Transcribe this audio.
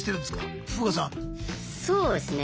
そうですね